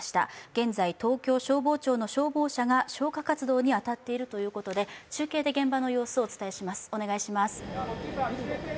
現在、東京消防庁の消防車が消火活動に当たっているということで、中継で現場の様子をお伝えします。